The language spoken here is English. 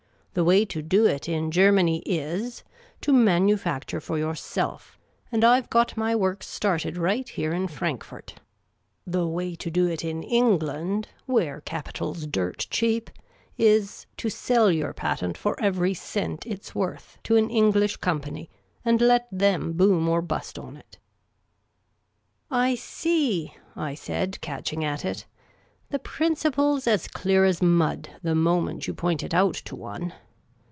The way to do it in Germany is — to manufacture for yourself — and I 've got my works started right here in Frankfort. 89 90 Miss Caylcy's Adventures The way to do it in Hiigland — where capital 's dirt cheap — is, to sell your patent for every cent it 's worth to an Kng lisli company, and let them boom or bust on it." " I see," I said, catching at it. " The principle 's as clear as mud, the moment you point it out to one.